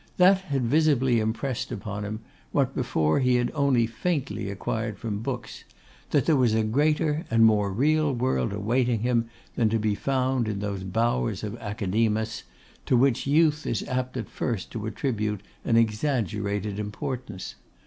That had visibly impressed upon him, what before he had only faintly acquired from books, that there was a greater and more real world awaiting him, than to be found in those bowers of Academus to which youth is apt at first to attribute an exaggerated importance.